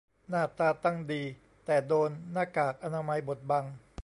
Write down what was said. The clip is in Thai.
หน้าตาตั้งดี แต่โดนหน้ากากอนามัยบดบัง